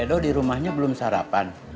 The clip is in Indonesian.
cik edo di rumahnya belum sarapan